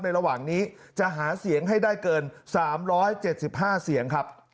ระหว่างนี้จะหาเสียงให้ได้เกิน๓๗๕เสียงครับ